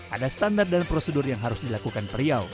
ada standar dan prosedur yang harus dilakukan periau